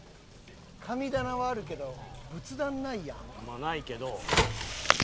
神棚はあるけど仏壇ないやん普通。